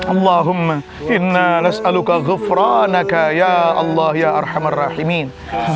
allahumma inna nas'aluka ghufranaka ya allah ya arhamar rahimin